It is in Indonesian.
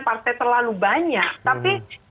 partai terlalu banyak tapi